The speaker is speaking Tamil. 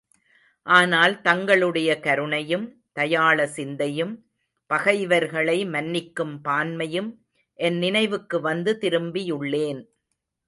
ஆனால், தங்களுடைய கருணையும், தயாள சிந்தையும், பகைவர்களை மன்னிக்கும் பான்மையும் என் நினைவுக்கு வந்து, திரும்பியுள்ளேன்.